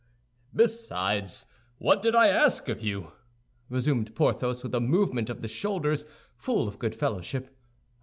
"Besides, what did I ask of you?" resumed Porthos, with a movement of the shoulders full of good fellowship.